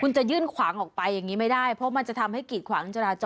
คุณจะยื่นขวางออกไปอย่างนี้ไม่ได้เพราะมันจะทำให้กีดขวางจราจร